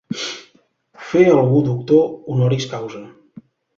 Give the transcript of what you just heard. Fer algú doctor 'honoris causa'.